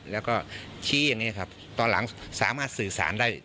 แล้วก็ชี้อย่างนี้ครับตอนหลังสามารถสื่อสารได้